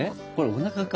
おなかか？